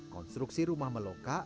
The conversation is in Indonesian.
konstruksi rumah meloka